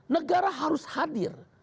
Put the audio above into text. negara harus hadir